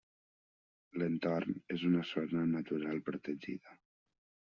L'entorn és una zona natural protegida.